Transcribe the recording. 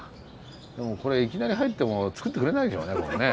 でもこれいきなり入っても作ってくれないでしょうねこれね。